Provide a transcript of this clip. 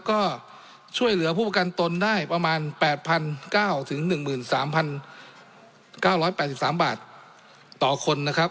ก็ช่วยเหลือผู้ประกันตนได้ประมาณ๘๙๑๓๙๘๓บาทต่อคนนะครับ